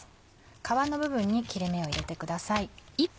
皮の部分に切れ目を入れてください。